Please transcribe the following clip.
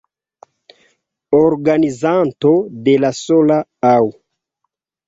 Organizanto de la sola Aŭ.